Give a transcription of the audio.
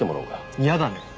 嫌だね。